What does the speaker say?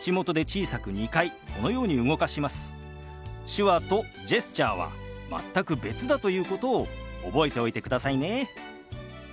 手話とジェスチャーは全く別だということを覚えておいてくださいね。